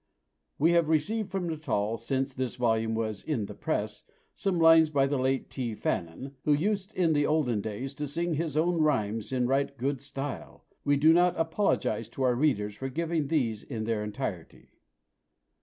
We have received from Natal, since this volume was "in the press," some lines by the late T. Fannin, who used in the olden days to sing his own rhymes in right good style. We do not apologise to our readers for giving these in their entirety.